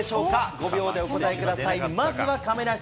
５秒でお答えください。